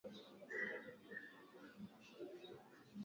piaTatizo la madawa ya kulevya limetokea kuwa janga kubwa duniani